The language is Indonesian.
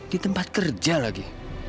di tempat kerja lagi